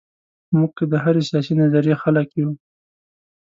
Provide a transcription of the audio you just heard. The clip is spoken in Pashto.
موږ که د هرې سیاسي نظریې خلک یو.